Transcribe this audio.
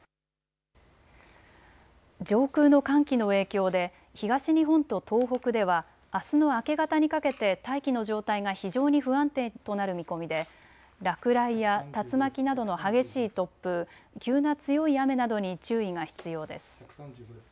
上空の寒気の影響で東日本と東北ではあすの明け方にかけて大気の状態が非常に不安定となる見込みで落雷や竜巻などの激しい突風、急な強い雨などに注意が必要です。